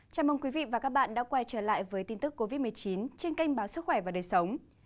chào mừng quý vị và các bạn đã quay trở lại với tin tức covid một mươi chín trên kênh báo sức khỏe và đời sống